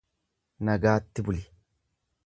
Nagaatti buli.